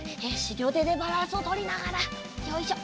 りょうてでバランスをとりながらよいしょ。